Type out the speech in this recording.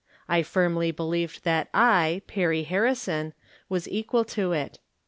I firmly believed that I — Perry Harrison — was equal to it.